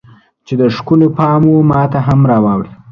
چې د ښکلو پام و ماته هم راواوړي